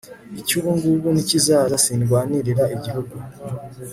icy'ubungubu n'ikizaza zirwanirira igihugu